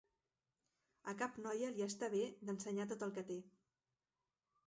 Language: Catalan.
A cap noia li està bé d'ensenyar tot el que té.